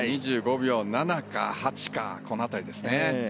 ２５秒７か８かこの辺りですね。